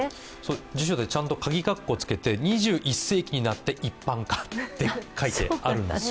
辞書でちゃんとかぎ括弧をつけて、２１世紀になって一般化と書いてあるんですよ。